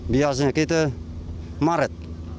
biasanya kita maret